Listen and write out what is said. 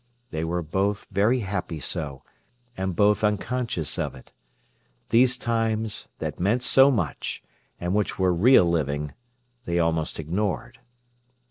They were both very happy so, and both unconscious of it. These times, that meant so much, and which were real living, they almost ignored.